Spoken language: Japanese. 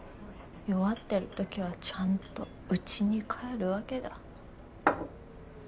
弱ってるときはちゃんとうちに帰るわけだ。